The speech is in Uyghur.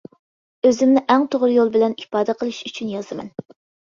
ئۆزۈمنى ئەڭ توغرا يول بىلەن ئىپادە قىلىش ئۈچۈن يازىمەن.